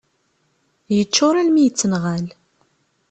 Yeččur almi yettenɣal.